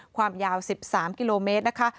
ความยาว๑๓กิโลเมตรนะคะ